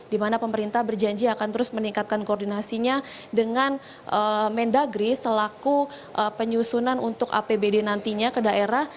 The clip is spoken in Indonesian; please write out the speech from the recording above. di mana pemerintah berjanji akan terus meningkatkan koordinasinya dengan mendagri selaku penyusunan untuk apbd nantinya ke daerah